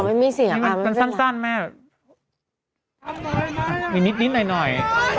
มันสั้นมั้ย